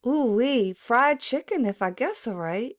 "Ohee, fried chicken, if I guess aright!"